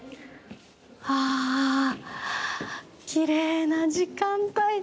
きれいな時間帯に。